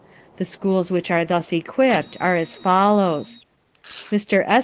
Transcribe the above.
The schools which are thus equipped are as follows: Mr. S.